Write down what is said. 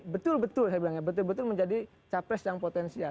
betul betul saya bilang ya betul betul menjadi capres yang potensial